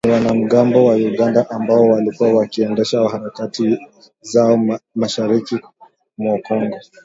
ni wanamgambo wa Uganda ambao wamekuwa wakiendesha harakati zao mashariki mwa Kongo